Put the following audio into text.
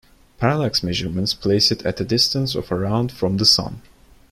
Parallax measurements place it at a distance of around from the Sun.